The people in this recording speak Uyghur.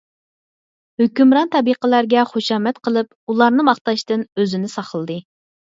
ھۆكۈمران تەبىقىلەرگە خۇشامەت قىلىپ، ئۇلارنى ماختاشتىن ئۆزىنى ساقلىدى.